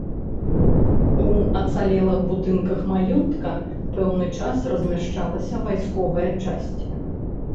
У ацалелых будынках маёнтка пэўны час размяшчалася вайсковая часць.